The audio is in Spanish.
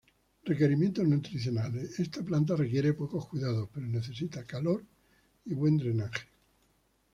Requerimientos nutricionales: esta planta requiere pocos cuidados, pero necesita calor y buen drenaje.